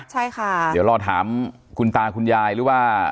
ใช่ค่ะเดี๋ยวเราถามคุณตาคุณยายหรือว่า